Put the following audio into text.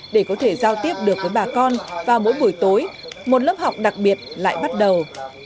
để có thể giao tiếp được với bà con vào mỗi buổi tối một lớp học đặc biệt lại bắt đầu